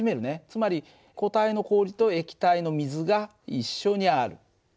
つまり固体の氷と液体の水が一緒にある。